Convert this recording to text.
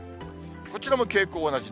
こちらも傾向は同じ。